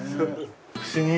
不思議。